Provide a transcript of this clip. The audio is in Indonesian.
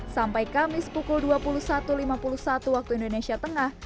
sampai kamis pukul dua puluh satu lima puluh satu waktu indonesia tengah